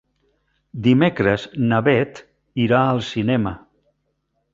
Dimecres na Beth irà al cinema.